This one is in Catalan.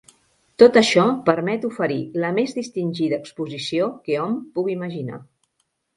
Tot això permet oferir la més distingida exposició que hom pugui imaginar.